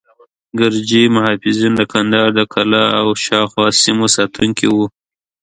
ګرجي محافظین د کندهار د قلعه او شاوخوا سیمو ساتونکي وو.